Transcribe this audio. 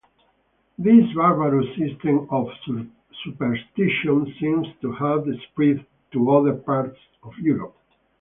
This barbarous system of superstition seems to have spread to other parts of Europe.